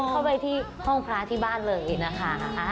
เข้าไปที่ห้องพระที่บ้านเลยนะคะ